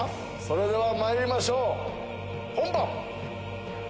それではまいりましょう本番。